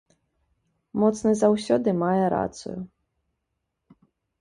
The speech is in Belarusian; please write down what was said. Моцны заўсёды мае рацыю.